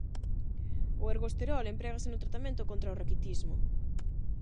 O ergosterol emprégase no tratamento contra o raquitismo.